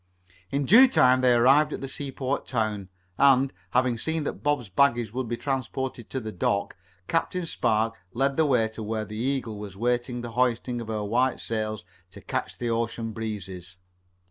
In due time they arrived at the seaport town, and, having seen that Bob's baggage would be transported to the dock, Captain Spark led the way to where the Eagle was waiting the hoisting of her white sails to catch the ocean breezes.